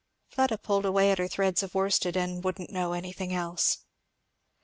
Fleda pulled away at her threads of worsted and wouldn't know anything else.